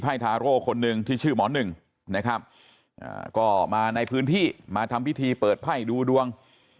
ทาโร่คนหนึ่งที่ชื่อหมอหนึ่งนะครับก็มาในพื้นที่มาทำพิธีเปิดไพ่ดูดวง